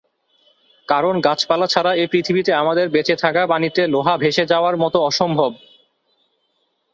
কারণ গাছপালা ছাড়া এই পৃথিবীতে আমাদের বেঁচে থাকা পানিতে লোহা ভেসে যাওয়ার মতো অসম্ভব।